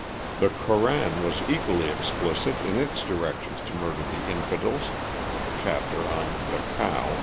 The Koran was equally explicit in its directions to murder the infidels (chapter on the "Cow," p.